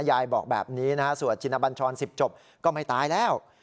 ยายบอกแบบนี้นะฮะสวดชินบัญชร๑๐จบก็ไม่ตายแล้ว